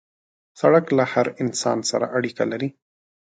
سړک له هر انسان سره اړیکه لري.